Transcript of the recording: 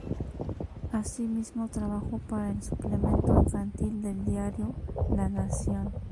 Asimismo trabajó para el suplemento infantil del diario La Nación.